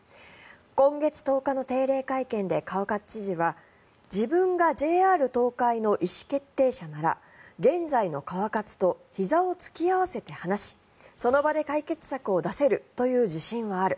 今月１０日の定例会見で川勝知事は自分がＪＲ東海の意思決定者なら現在の川勝とひざを突き合わせて話しその場で解決策を出せるという自信はある。